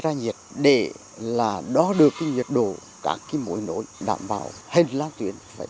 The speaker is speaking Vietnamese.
từ đầu năm đến nay công ty điện lực quảng trị đã đại tô cải tạo oấn tsey